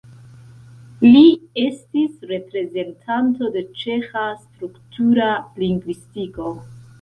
Li estis reprezentanto de ĉeĥa struktura lingvistiko.